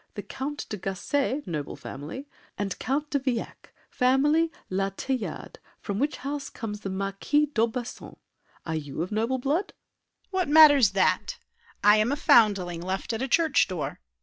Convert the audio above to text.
The Count de Gassé, noble family, And Count de Villac, family La Teuillade, From which house comes the Marquis d'Aubusson. Are you of noble blood? DIDIER. What matters that? I am a foundling left at a church door.